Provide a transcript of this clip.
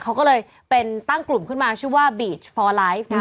เขาก็เลยเป็นตั้งกลุ่มขึ้นมาชื่อว่าบีชฟอร์ไลฟ์